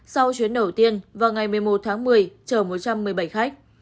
sau chuyến đầu tiên vào ngày một mươi một tháng một mươi chở một trăm một mươi bảy khách